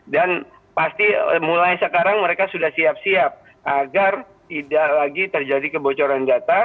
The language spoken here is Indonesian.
dan pasti mulai sekarang mereka sudah siap siap agar tidak lagi terjadi kebocoran data